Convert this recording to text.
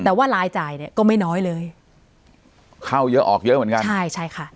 แต่ว่ารายจ่ายเนี้ยก็ไม่น้อยเลยเข้าเยอะออกเยอะเหมือนกันใช่ใช่ค่ะ